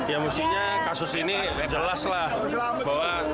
ya musiknya kasus ini jelaslah bahwa